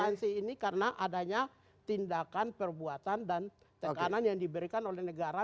jadi ini karena adanya tindakan perbuatan dan tekanan yang diberikan oleh negara